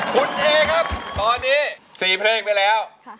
คุณเอครับตอนนี้๔เพลงไปแล้ว